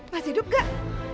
masih hidup enggak